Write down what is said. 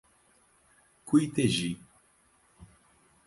Cuitegi